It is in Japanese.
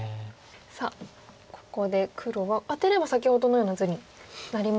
さあここで黒はアテれば先ほどのような図になりますが。